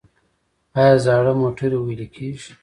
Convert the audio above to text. آیا زاړه موټرې ویلې کیږي؟